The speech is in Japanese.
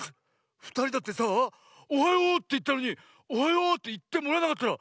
ふたりだってさあ「おはよう」っていったのに「おはよう」っていってもらえなかったらこんなさみしいことってないよね？